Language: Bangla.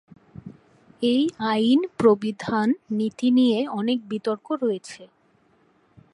এই আইন /প্রবিধান/নীতি নিয়ে অনেক বিতর্ক রয়েছে।